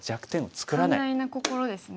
寛大な心ですね。